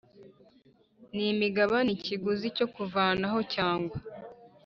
N imigabane ikiguzi cyo kuvanaho cyangwa